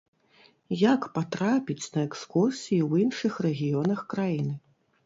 Як патрапіць на экскурсіі ў іншых рэгіёнах краіны?